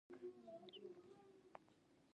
ماريا له کېږدۍ بهر ووته.